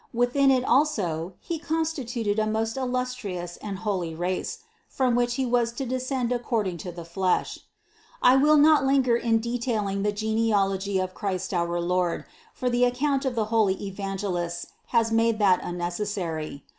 Within it also He constituted a most illustrious and holy race, from which He was to descend according to the flesh. I will not linger in detailing the genealogy of Christ our Lord, for the account of the holy Evangelists has made that unnecessary.